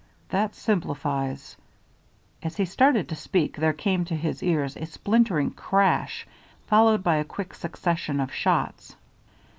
"That simplifies " As he started to speak there came to his ears a splintering crash followed by a quick succession of shots.